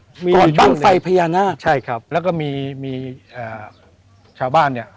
ก่อนบ้างไฟพญานาคใช่ครับแล้วก็มีมีอ่าชาวบ้านเนี่ย